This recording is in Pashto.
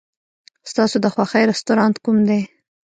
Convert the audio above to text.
ستا د خوښې رستورانت کوم دی؟